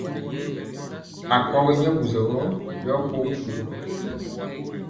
Akɔgi nyɛ wusɔ gɔ yɔ kpogi kuvɔ.